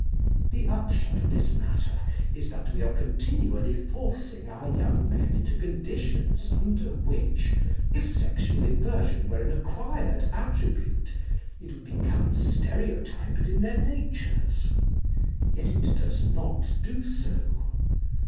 The upshot of this matter is that we are continually forcing our young men into conditions under which, if sexual inversion were an acquired attribute, it would become stereotyped in their natures. Yet it does not do so.